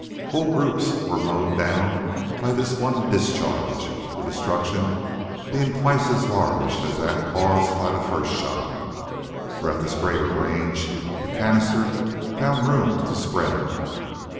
Whole groups were mowed down by this one discharge, the destruction being twice as large as that caused by the first shot, for at this greater range the canister found room to spread.